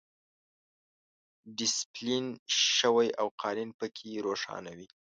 ډیسپلین شوی او قوانین پکې روښانه وي.